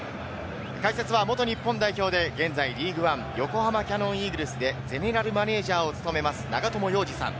解説は元日本代表で現在リーグワン横浜キヤノンイーグルスでゼネラルマネージャーを務めます、永友洋司さん。